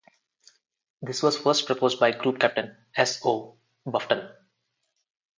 This was first proposed by Group Captain S. O. Bufton.